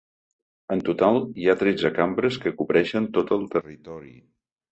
En total, hi ha tretze cambres que cobreixen tot el territori.